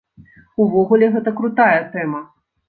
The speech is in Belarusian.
Увогуле, гэта крутая тэма.